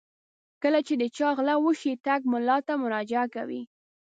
کله چې د چا غلا وشي ټګ ملا ته مراجعه کوي.